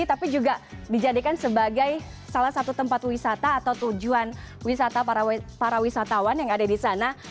tapi juga dijadikan sebagai salah satu tempat wisata atau tujuan wisata para wisatawan yang ada di sana